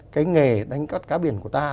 cái nghề đánh cắt cá biển của ta